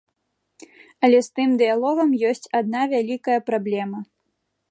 Але з тым дыялогам ёсць адна вялікая праблема.